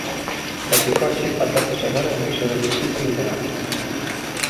Ese coche atópase agora no museo do circuíto de Indianápolis.